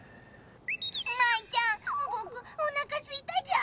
舞ちゃんぼくおなかすいたじゃー。